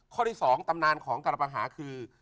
ข้อที่๒ตำนานของกรปหาคือ